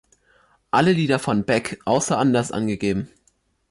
Alle Lieder von Beck, außer anders angegeben.